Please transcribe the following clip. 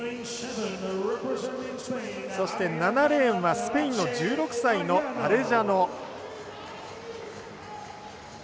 そして、７レーンはスペインの１６歳のアレジャノ。